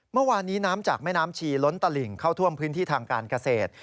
เมื่อวานนี้น้ำจากแม่น้ำชีล้นตลิ่งเข้าท่วมพื้นที่ทางการเกษตร